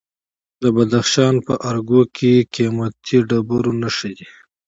د بدخشان په ارګو کې د قیمتي ډبرو نښې دي.